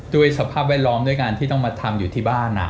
สภาพแวดล้อมด้วยการที่ต้องมาทำอยู่ที่บ้าน